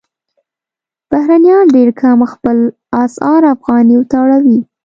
بهرنیان ډېر کم خپل اسعار افغانیو ته اړوي.